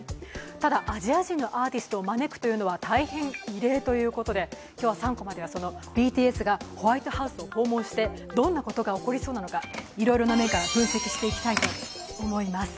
ただ、アジア人のアーティストを招くのは大変異例ということで今日は３コマで、ＢＴＳがホワイトハウスを訪問してどんなことが起こりそうなのかいろいろな目から分析していきたいと思います。